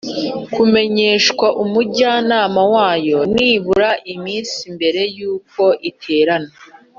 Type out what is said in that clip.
kumenyeshwa umujyanama wayo nibura iminsi mbere y uko iterana